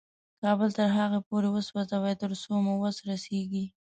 کابل تر هغو پورې وسوځوئ تر څو مو وس رسېږي.